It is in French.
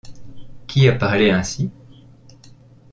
Qui a parlé ainsi?